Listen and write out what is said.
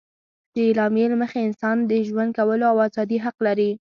د اعلامیې له مخې انسان د ژوند کولو او ازادي حق لري.